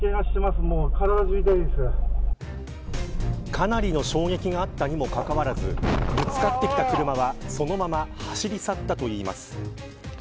かなりの衝撃があったにもかかわらずぶつかってきた車はそのまま走り去ったといいます。